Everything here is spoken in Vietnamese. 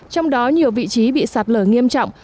trong đó nhiều vị trí bị sạt lở nghiêm trọng